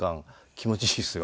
気持ちいいですよ。